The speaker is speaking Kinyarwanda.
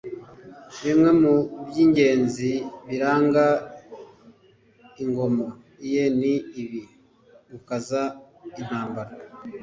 bimwe mu by'ingenzi biranga ingoma ye ni ibi : gukaza intambara